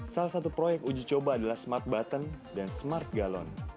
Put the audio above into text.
salah satu proyek uji coba adalah smart button dan smart galon